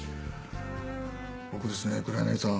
僕ですね黒柳さん